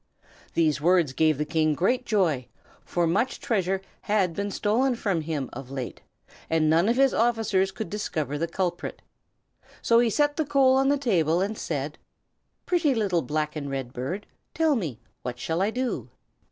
These words gave the King great joy, for much treasure had been stolen from him of late, and none of his officers could discover the culprit. So he set the coal on the table, and said: "Pretty little black and red bird, tell me, what shall I do?"